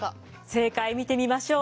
正解見てみましょう。